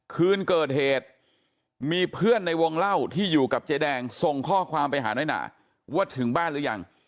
คืนเกิดเหตุมีเพื่อนในวงเล่าที่อยู่กับเจ๊แดงส่งข้อความไปหาน้อยหนาว่าถึงบ้านหรือยัง